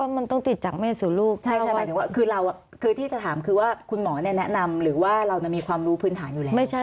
ไม่ใช่คุณหมอแนะนำค่ะ